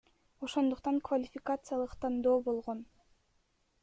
Ошондуктан квалификациялык тандоо болгон.